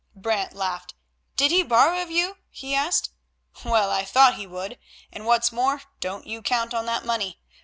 Brant laughed. "Did he borrow of you?" he asked. "Well, I thought he would, and what's more, don't you count on that money.